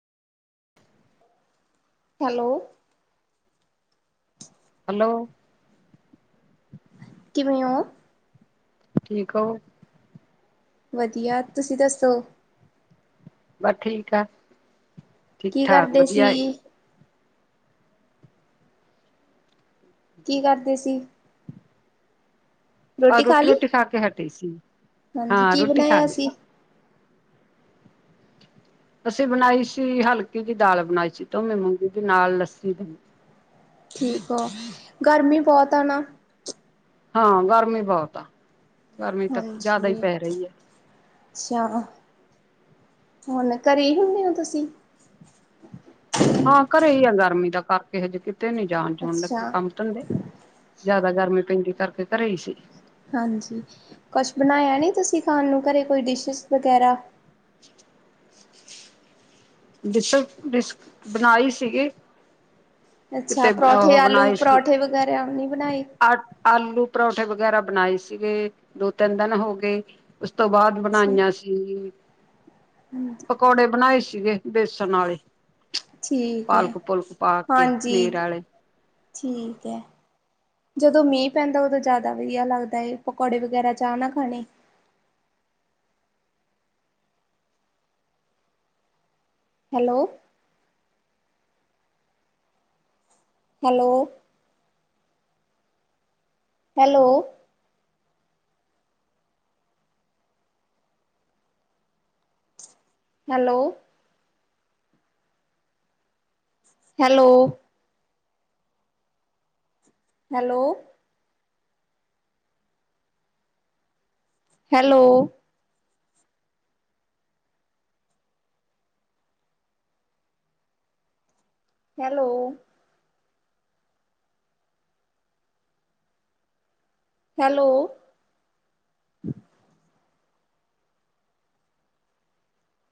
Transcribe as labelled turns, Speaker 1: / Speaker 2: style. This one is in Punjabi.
Speaker 1: ਹੈਲੋ।
Speaker 2: ਹੈਲੋ।
Speaker 1: ਕਿਵੇਂ ਉਹ।
Speaker 2: ਠੀਕ ਉਹ।
Speaker 1: ਵਧੀਆ ਤੁਸੀਂ ਦੱਸੋਂ।
Speaker 2: ਬਾ ਠੀਕ ਆ, ਠੀਕ
Speaker 1: ਕੀ
Speaker 2: ਠਾਕ
Speaker 1: ਕਰਦੇ
Speaker 2: ਵਧੀਆ ਐ।
Speaker 1: ਸੀ? ਕੀ ਕਰਦੇ ਸੀ।
Speaker 2: ਬ ਰੋਟੀ ਰੋਟੀ ਖਾ ਕੇ ਹਟੀ ਸੀ,
Speaker 1: ਹਾਂਜੀ
Speaker 2: ਹਾਂ
Speaker 1: ਕੀ
Speaker 2: ਰੋਟੀ ਖਾ
Speaker 1: ਬਣਾਇਆ
Speaker 2: ਲਈ।
Speaker 1: ਸੀ?
Speaker 2: ਅਸੀ ਬਣਾਈ ਸੀ, ਹਲਕੀ ਦੀ ਦਾਲ ਬਣਾਈ ਸੀ, ਧੋਮੀ ਮੂੰਗੀ ਦੀ ਨਾਲ ਲੱਸੀ ਦਹੀ।
Speaker 1: ਠੀਕ ਆ, ਗਰਮੀ ਬਹੁਤ ਆ ਨਾ।
Speaker 2: ਹਾਂ ਗਰਮੀ ਬਹੁਤ ਆ, ਗਰਮੀ ਤਾਂ ਜ਼ਿਆਦਾ ਹੀ
Speaker 1: ਹਾਂਜੀ
Speaker 2: ਪੈ ਰਹੀ ਐ।
Speaker 1: ਅੱਛਾ, ਹੁਣ ਘਰੇ ਹੀ ਹੁੰਦੇ ਹੋ ਤੁਸੀਂ?
Speaker 2: ਹਾਂ, ਘਰੇ ਹੀ ਆ ਗਰਮੀ ਦਾ ਕਰਕੇ ਹਜੇ, ਕਿਤੇ ਨੀ ਜਾਣ ਜੂਨ ਲੱਗੇ
Speaker 1: ਅੱਛਾ
Speaker 2: ਕੰਮ ਧੰਦੇ, ਜ਼ਿਆਦਾ ਗਰਮੀ ਪੈਂਦੀ ਕਰਕੇ ਘਰੇ ਹੀ ਸੀ।
Speaker 1: ਹਾਂਜੀ, ਕੁਛ ਬਣਾਇਆ ਨੀ ਤੁਸੀਂ ਖਾਣ ਨੂੰ ਘਰੇ ਕੋਈ ਡਿਸ਼ਿਸ ਵਗੈਰਾ?
Speaker 2: [inaudible] ਡਿਸ-ਡਿਸ ਬਣਾਈ ਸੀਗੀ।
Speaker 1: ਅੱਛਾ,
Speaker 2: ਕਿਤੇ
Speaker 1: ਪਰੌਂਠੇ
Speaker 2: ਉਹ
Speaker 1: ਆਲੂ
Speaker 2: ਬਣਾਈ
Speaker 1: ਪਰੌਠੇ ਵਗੈਰਾ ਨੀ ਉਹ ਬਣਾਏ?
Speaker 2: ਆਲੂ-ਪਰੌਂਠੇ ਵਗੈਰਾ ਬਣਾਏ ਸੀਗੇ ਦੋ ਤਿੰਨ ਦਿਨ ਹੋ ਗਏ, ਉਸ ਤੋਂ ਬਾਅਦ ਬਣਾਈਆਂ ਸੀ।
Speaker 1: ਹੂੰ
Speaker 2: ਪਕੌੜੇ ਬਣਾਏ ਸੀਗੇ ਵੇਸਣ ਆਲੇ।
Speaker 1: ਠੀਕ ਐ।
Speaker 2: ਕੇ
Speaker 1: ਹਾਂਜੀ,
Speaker 2: ਪਨੀਰ ਵਾਲੇ
Speaker 1: ਠੀਕ ਐ। ਜਦੋਂ ਮੀਂਹ ਪੈਂਦਾ ਉਦੋਂ ਜ਼ਿਆਦਾ ਵਧੀਆ ਲੱਗਦਾ ਐ, ਪਕੌੜੇ ਵਗੈਰਾ ਚਾਹ ਨਾ ਖਾਣੇ। Hello. Hello. Hello. Hello. Hello. Hello. Hello. Hello. Hello.